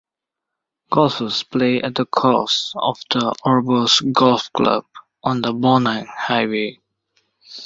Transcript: Golfers play at the course of the Orbost Golf Club on the Bonang Highway.